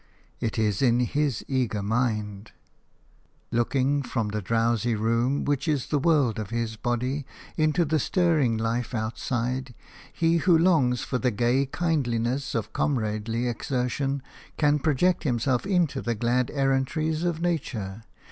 It is in his eager mind. Looking from the drowsy room, which is the world of his body, into the stirring life outside, he who longs for the gay kindliness of comradely exertion can project himself into the glad errantries of nature.